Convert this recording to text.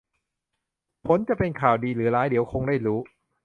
ผลจะเป็นข่าวดีหรือร้ายเดี๋ยวคงได้รู้